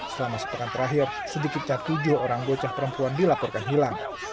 selama sepekan terakhir sedikitnya tujuh orang bocah perempuan dilaporkan hilang